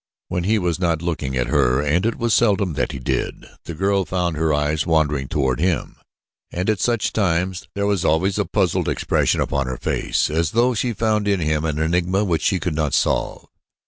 When he was not looking at her, and it was seldom that he did, the girl found her eyes wandering toward him, and at such times there was always a puzzled expression upon her face as though she found in him an enigma which she could not solve.